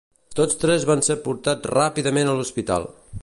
Tots tres van ser portats ràpidament a l'hospital.